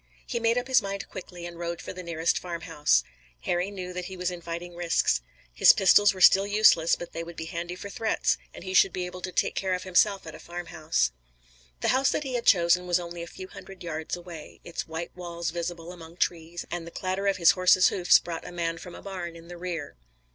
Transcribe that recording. He made up his mind quickly and rode for the nearest farmhouse. Harry knew that he was inviting risks. His pistols were still useless but they would be handy for threats, and he should be able to take care of himself at a farmhouse. The house that he had chosen was only a few hundred yards away, its white walls visible among trees, and the clatter of his horse's hoofs brought a man from a barn in the rear.